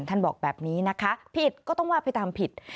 ท่านบอกแบบนี้นะคะผิดก็ต้องว่าไปตามผิด